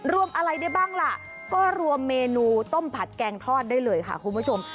รวมอะไรได้บ้างล่ะก็รวมเมนูต้มผัดแกงทอดได้เลยค่ะคุณผู้ชม